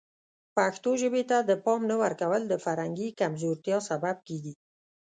پښتو ژبې ته د پام نه ورکول د فرهنګي کمزورتیا سبب کیږي.